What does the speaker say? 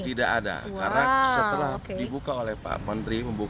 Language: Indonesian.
tidak ada karena setelah dibuka oleh pak menteri membuka